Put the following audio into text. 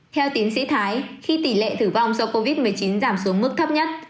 theo tiến sĩ thái khi tỷ lệ tử vong do covid một mươi chín giảm xuống mức thấp nhất